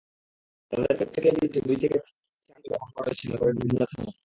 তাদের প্রত্যেকের বিরুদ্ধে দুই থেকে চারটি করে মামলা রয়েছে নগরের বিভিন্ন থানায়।